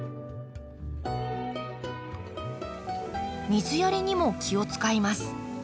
水やりにも気を遣います。